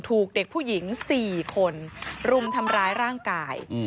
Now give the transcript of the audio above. ถูกเด็กผู้หญิง๔คนรุมทำร้ายร่างกาย